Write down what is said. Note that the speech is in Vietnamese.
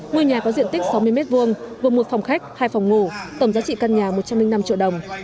ngôi nhà có diện tích sáu mươi m hai gồm một phòng khách hai phòng ngủ tổng giá trị căn nhà một trăm linh năm triệu đồng